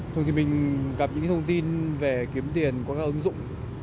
thường thì mình gặp những cái thông tin về kiếm tiền qua các ứng dụng